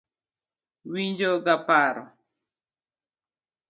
Winjo ga paro.